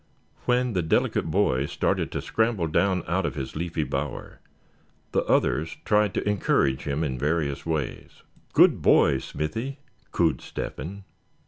When the delicate boy started to scramble down out of his leafy bower the others tried to encourage him in various ways. "Good boy, Smithy!" cooed Step hen.